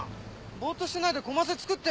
ぼっとしてないでコマセ作って。